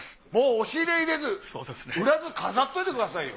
押し入れ入れず売らず飾っといてくださいよ。